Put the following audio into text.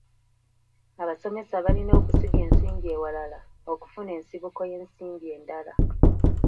Abasomesa balina okusiga ensimbi ewalala okufuna ensibuko y'ensimbi endala.